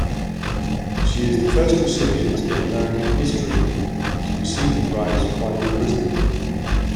She is the first recipient in American history to receive the prize while imprisoned.